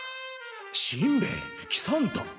しんべヱ喜三太。